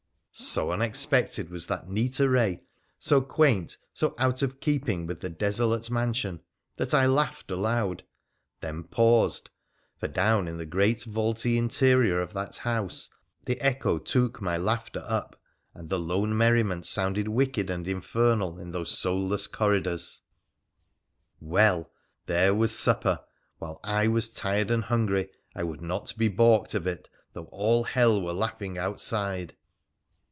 So unexpected was that neat array, so quaint, so out of keeping with the desolate mansion, that I laughed aloud, then paused, for down in the great vaulty interior of that house the echo took my laughter up, and the lone merriment sounded wicked and infernal in those soulless corridors. Well ! there was supper, while I was tired and hungry I would not be baulked of it though all hell were laughing outside.